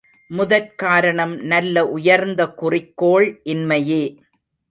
முதற்காரணம் நல்ல உயர்ந்த குறிக்கோள் இன்மையே!